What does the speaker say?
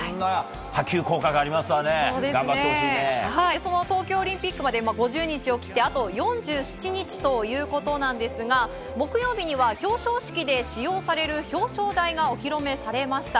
その東京オリンピックまで５０日を切ってあと４７日ということなんですが木曜日には表彰式で使用される表彰台がお披露目されました。